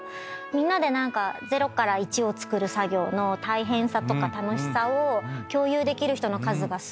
みんなで何かゼロから１をつくる作業の大変さとか楽しさを共有できる人の数がすごい増えましたね。